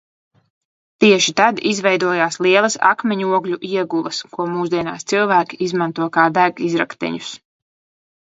Tieši tad izveidojās lielas akmeņogļu iegulas, ko mūsdienās cilvēki izmanto kā degizrakteņus.